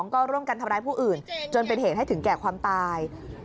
ก็ร่วมกันทำร้ายผู้อื่นจนเป็นเหตุให้ถึงแก่ความตาย